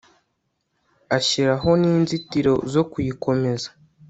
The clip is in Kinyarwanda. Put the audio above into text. ashyiraho n'inzitiro zo kuyikomeza